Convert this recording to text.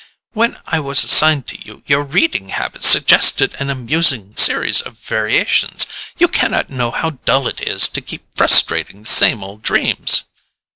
When I was assigned to you, your reading habits suggested an amusing series of variations. You cannot know how dull it is to keep frustrating the same old dreams!"